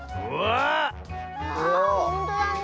あほんとだね。